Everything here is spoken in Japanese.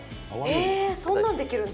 えー、そんなんできるんだ。